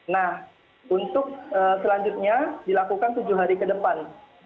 nah untuk selanjutnya dilakukan tujuh hari ke depan